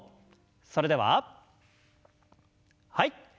それでははい。